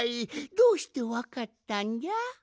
どうしてわかったんじゃ？